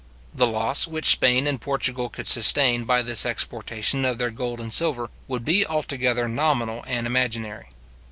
The loss which Spain and Portugal could sustain by this exportation of their gold and silver, would be altogether nominal and imaginary.